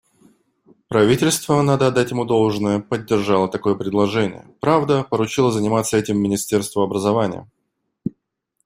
Правительство, надо отдать ему должное, поддержало такое предложение, правда, поручило заниматься этим Министерству образования.